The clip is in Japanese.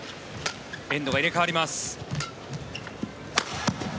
エンドが入れ替わります。